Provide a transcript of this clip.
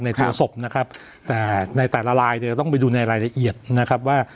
ตัวศพนะครับแต่ในแต่ละลายเนี่ยจะต้องไปดูในรายละเอียดนะครับว่า